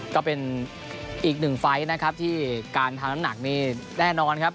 ก็เป็นอีกหนึ่งไฟล์นะครับที่การทำน้ำหนักนี่แน่นอนครับ